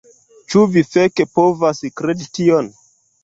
Ĉu vi feke povas kredi tion??